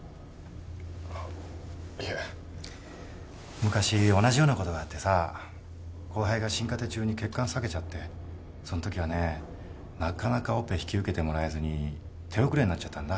あッいえ昔同じようなことがあってさ後輩が心カテ中に血管裂けちゃってそのときはねなかなかオペ引き受けてもらえずに手遅れになっちゃったんだ